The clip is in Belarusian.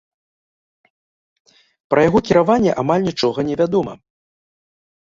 Пра яго кіраванне амаль нічога не вядома.